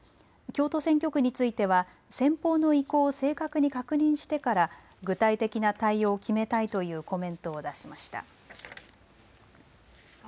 京都選挙区については先方の意向を正確に確認してから具体的な対応を決めたいというコメントを出しました。